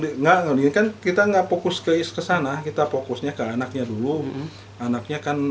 di enggak menginginkan kita enggak fokus keis kesana kita fokusnya ke anaknya dulu anaknya kan